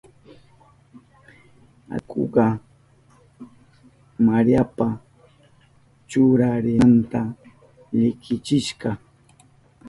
Allkuka Mariapa churarinanta likichishka.